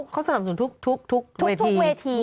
เขาสนับสนุนทุกเวทีทุกเวทีถูกไหม